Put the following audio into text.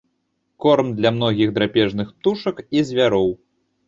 Корм для многіх драпежных птушак і звяроў.